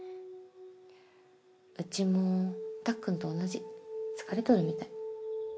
うちもたっくんと同じ疲れとるみたい。